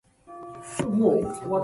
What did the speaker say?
バイーア州の州都はサルヴァドールである